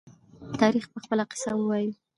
تاریخ به خپله قصه ووايي.